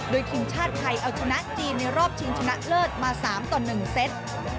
โดยทีมชาติไทยเอาชนะจีนในรอบชิงชนะเลิศมา๓ต่อ๑เซต